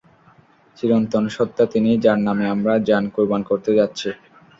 চিরন্তন সত্তা তিনিই, যার নামে আমরা জান কুরবান করতে যাচ্ছি।